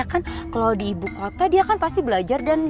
kalau di ibu kota dia pasti belajar dan dan lain lain